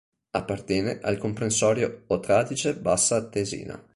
Appartiene al comprensorio Oltradige-Bassa Atesina.